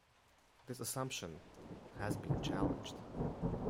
This assumption has been challenged.